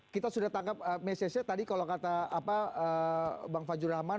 kita sudah tangkap mesejnya tadi kalau kata bang fadjur rahman